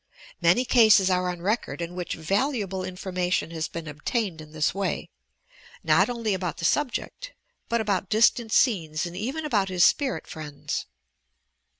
Many cases are on record in which valuable information has been obtained in this way, not only about the subject, but about distant scenes and even about his spirit friends.